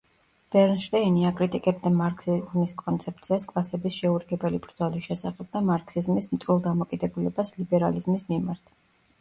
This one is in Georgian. ბერნშტეინი აკრიტიკებდა მარქსიზმის კონცეფციას „კლასების შეურიგებელი ბრძოლის“ შესახებ და მარქსიზმის მტრულ დამოკიდებულებას ლიბერალიზმის მიმართ.